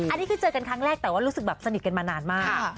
อันนี้คือเจอกันครั้งแรกแต่ว่ารู้สึกแบบสนิทกันมานานมาก